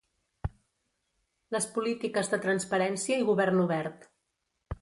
Les polítiques de transparència i govern obert.